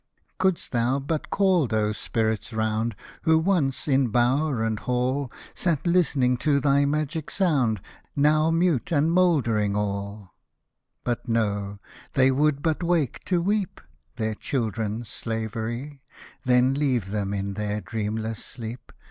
Couldst thou but call those spirits round Who once, in bower and hall, Sat listening to thy magic sound, Now mute and mouldering all ;— But, no ; they would but wake to weep Their children's slavery ; Then leave them in their dreamless sleep.